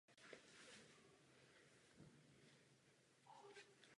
Sídlí v Přerově a výuka probíhá ve vzdělávacím centru Praha.